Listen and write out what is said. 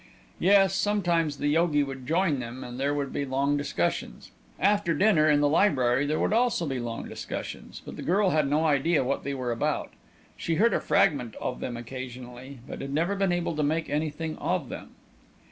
Yes, sometimes the yogi would join them, and there would be long discussions. After dinner, in the library, there would also be long discussions, but the girl had no idea what they were about. She heard a fragment of them occasionally, but had never been able to make anything of them.